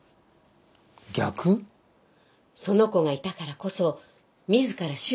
その子がいたからこそ自ら死を選ぶって事。